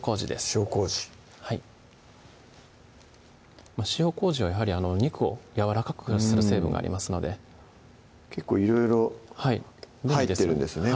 塩麹塩麹は肉をやわらかくする成分がありますので結構いろいろ入ってるんですね